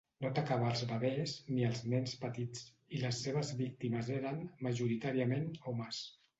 No atacava els bebès ni els nens petits, i les seves víctimes eren, majoritàriament, homes.